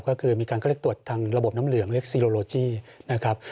ก็คือมีการเขาเรียกตรวจทางระบบน้ำเหลืองเรียกซีโลโลจี้นะครับ